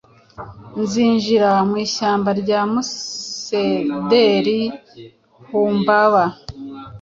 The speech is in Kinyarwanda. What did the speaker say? nzinjira mu ishyamba ryamasederi Humbaba